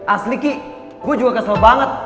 asli ki gue juga kesel banget